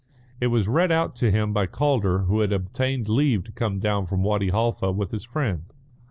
It was read out to him by Calder, who had obtained leave to come down from Wadi Halfa with his friend.